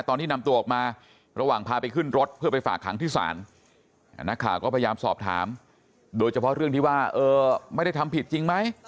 ตอนที่นำตัวออกมาระหว่างพาไปขึ้นรถเพื่อไปฝากขังที่ศาลนักข่าวก็พยายามสอบถามโดยเฉพาะเรื่องที่ว่าไม่ได้ทำผิดจริงไหม